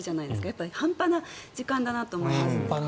やっぱり半端な時間だなと思いますね。